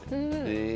へえ。